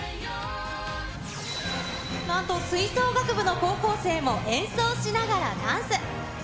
なんと吹奏楽部の高校生も演奏しながらダンス。